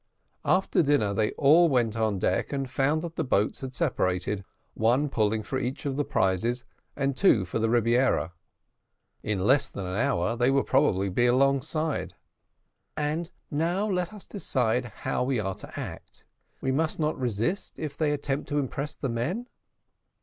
After dinner, they all went on deck, and found that the boats had separated, one pulling for each of the prizes, and two for the Rebiera. In less than an hour they would probably be alongside. "And now let us decide how we are to act. We must not resist, if they attempt to impress the men?"